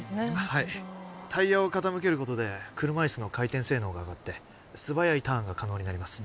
はいタイヤを傾けることで車いすの回転性能が上がって素早いターンが可能になります